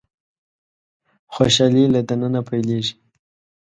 خوشالي له د ننه پيلېږي.